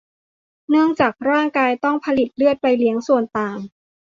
เนื่องจากร่างกายต้องผลิตเลือดไปเลี้ยงส่วนต่าง